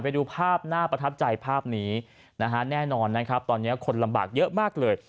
ไปดูภาพน่าประทับใจภาพนี้นะฮะแน่นอนนะครับตอนนี้คนลำบากเยอะมากเลย